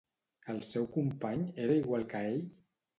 El seu company era igual que ell?